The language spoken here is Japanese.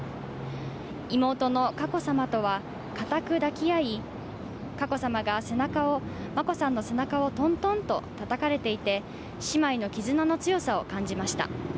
妹の佳子さまとはかたく抱き合い、佳子さまが眞子さんの背中をトントンとたたいていて姉妹の絆の強さを感じました。